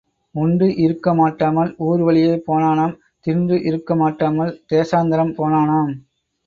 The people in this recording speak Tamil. உண்டு இருக்க மாட்டாமல் ஊர் வழியே போனானாம் தின்று இருக்க மாட்டாமல் தேசாந்தரம் போனானாம்.